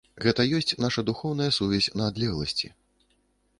Гэта ёсць наша духоўная сувязь на адлегласці.